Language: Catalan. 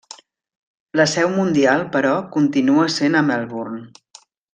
La seu mundial, però, continua sent a Melbourne.